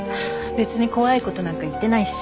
別に怖いことなんか言ってないし。